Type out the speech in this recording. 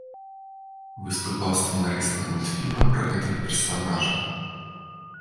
Выступаў сцэнарыстам мультфільмаў пра гэтых персанажаў.